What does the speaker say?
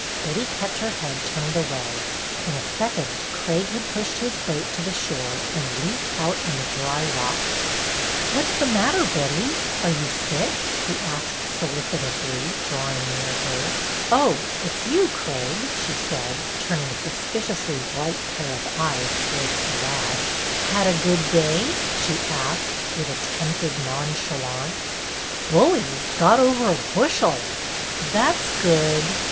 Betty kept her head turned away. In a second Craig had pushed his boat to the shore and leaped out on the dry rocks. '' What 's the matter, Betty? Are you sick? " he asked solicitously, drawing near her. 8o BETTY BAIRD^S VENTURES '' Oh, it 's you, Craig,'' she said, turning a suspiciously bright pair of eyes towards the lad. " Had a good day? " she asked, with attempted nonchalance. Bully ! Got over a bushel." That 's good."